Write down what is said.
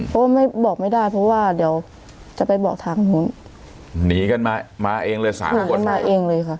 เพราะว่าไม่บอกไม่ได้เพราะว่าเดี๋ยวจะไปบอกทางนู้นหนีกันมามาเองเลยสามคนมาเองเลยค่ะ